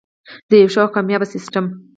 د یو ښه او کامیاب سیستم.